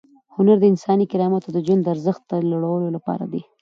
هنر د انساني کرامت او د ژوند د ارزښت د لوړولو لپاره دی.